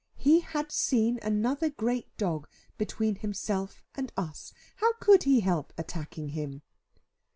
He had seen another great dog between himself and us, how could he help attacking him?